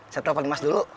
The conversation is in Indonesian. saya telepon imas dulu